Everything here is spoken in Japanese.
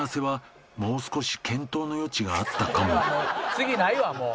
「次ないわもう」